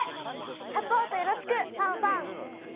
サポートよろしくファンファン！